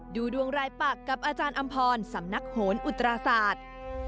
ดูดวงรายปักกับอาจารย์อำพรสำนักโหนอุตราศาสตร์